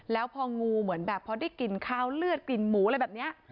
แล้วพองูเหมือนแบบพอได้กลิ่นคาวเลือดกลิ่นหมูอะไรแบบนี้